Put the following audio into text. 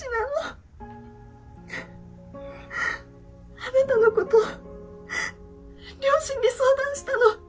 あなたのこと両親に相談したの。